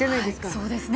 そうですね。